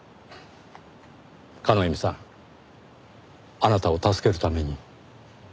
叶笑さんあなたを助けるために。